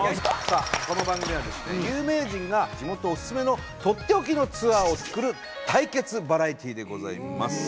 さあこの番組はですね有名人が地元おすすめのとっておきのツアーをつくる対決バラエティーでございます。